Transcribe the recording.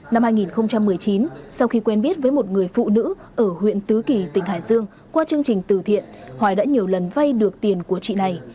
năm hai nghìn một mươi chín sau khi quen biết với một người phụ nữ ở huyện tứ kỳ tỉnh hải dương qua chương trình từ thiện hoài đã nhiều lần vay được tiền của chị này